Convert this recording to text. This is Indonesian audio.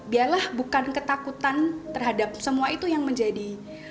biarlah bukan ketakutan terhadap semua itu yang menjadi